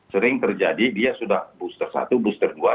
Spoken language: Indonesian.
sering terjadi dia sudah booster satu booster dua